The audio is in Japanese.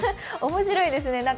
面白いですね。